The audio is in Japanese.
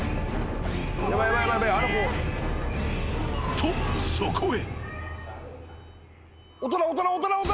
［とそこへ］